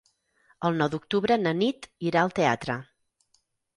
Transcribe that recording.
El nou d'octubre na Nit irà al teatre.